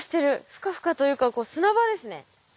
フカフカというか砂場ですね。